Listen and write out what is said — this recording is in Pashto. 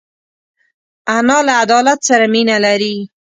انا له عدالت سره مینه لري